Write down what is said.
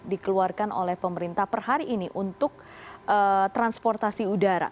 dikeluarkan oleh pemerintah per hari ini untuk transportasi udara